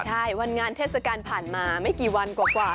ใช่วันงานเทศกาลผ่านมาไม่กี่วันกว่า